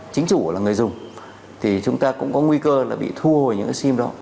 chính chủ là người dùng thì chúng ta cũng có nguy cơ là bị thu hồi những cái sim đó